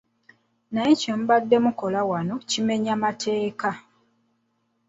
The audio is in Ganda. Naye kye mubadde mukola wano kimenya mateeka.